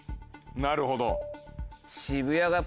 なるほど。